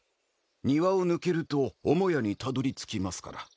庭を抜けると母屋にたどりつきますから。